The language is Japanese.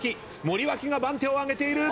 森脇が番手を上げている。